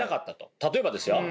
例えばですよ。